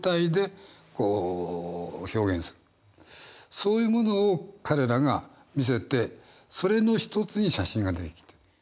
そういうものを彼らが見せてそれの一つに写真が出てきてた。